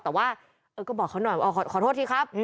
แต่ว่าก็บอกเขาหน่อยว่าขอโทษทีครับ